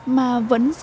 mà vẫn giữ nổi tiếng